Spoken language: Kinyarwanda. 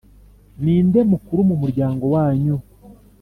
ni nde mukuru mu muryango wanyu